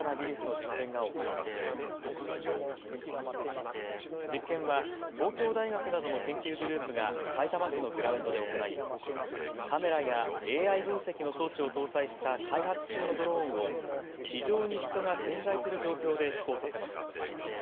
実験は東京大学などの研究グループがさいたま市のグラウンドで行いカメラやＡＩ分析の装置を搭載した開発中のドローンを地上に人が点在する状況で飛行させました。